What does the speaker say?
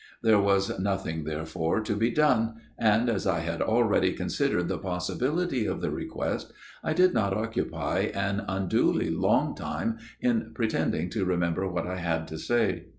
285 286 A MIRROR OF SHALOTT There was nothing therefore to be done ; and as I had already considered the possibility of the request, I did not occupy an unduly long time in pretending to remember what I had to say.